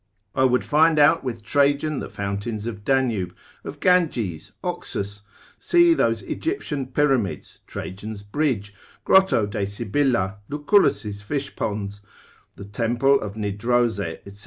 I would find out with Trajan the fountains of Danube, of Ganges, Oxus, see those Egyptian pyramids, Trajan's bridge, Grotto de Sybilla, Lucullus's fishponds, the temple of Nidrose, &c.